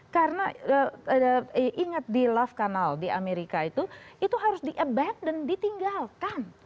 karena ingat di love canal di amerika itu itu harus di abandon ditinggalkan